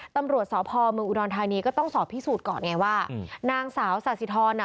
ตำรวจสพเมืองอุดรธานีก็ต้องสอบพิสูจน์ก่อนไงว่านางสาวสาธิธรอ่ะ